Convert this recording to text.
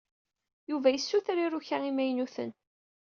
Yuba yessuter iruka imaynuten.